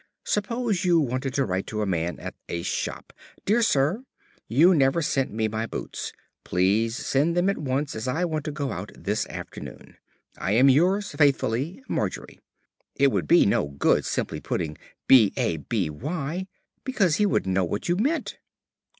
Suppose you wanted to write to a man at a shop 'Dear Sir, You never sent me my boots. Please send them at once as I want to go out this afternoon. I am yours faithfully, Margery' it would be no good simply putting 'B a b y,' because he wouldn't know what you meant."